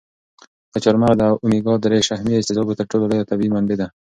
دا چهارمغز د اومیګا درې شحمي تېزابو تر ټولو لویه طبیعي منبع ده.